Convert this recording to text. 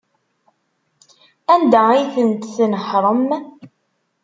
Anda ay tent-tnehṛem?